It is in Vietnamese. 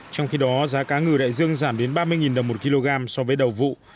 trong khi đó giá cá ngừ đại dương giảm đến ba mươi đồng một kg so với đầu vụ